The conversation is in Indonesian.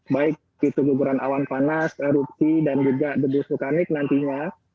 baik itu kuburan awan panas rupsi dan juga debu sukanik nantinya